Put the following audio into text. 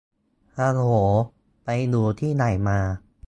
ฮัลโหล ไปอยู่ที่ไหนมา